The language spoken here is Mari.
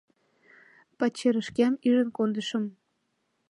Пачерышкем ӱжын кондышым.